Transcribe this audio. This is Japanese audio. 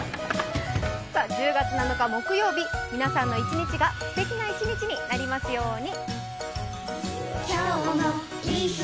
１０月７日木曜日、皆さんの一日がすてきになりますように。